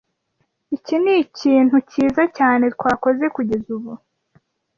Iki nikintu cyiza cyane twakoze kugeza ubu.